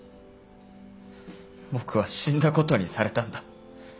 僕は死んだことにされたんだ。